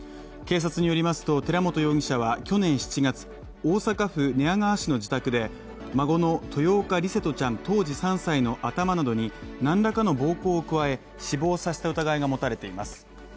警察によりますと寺本容疑者は、去年７月大阪府寝屋川市の自宅で、孫の豊岡琉聖翔ちゃん、当時３歳の頭などになんらかの暴行を加え死亡させた疑いが持たれています。